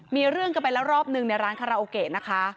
มีเรื่องกันไปแล้วรอบหนึ่งในร้านคาราโอเกะนะคะ